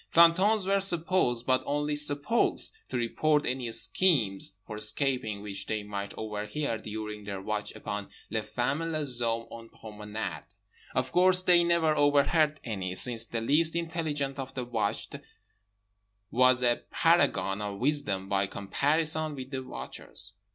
Plantons were supposed—but only supposed—to report any schemes for escaping which they might overhear during their watch upon les femmes et les hommes en promenade. Of course they never overheard any, since the least intelligent of the watched was a paragon of wisdom by comparison with the watchers.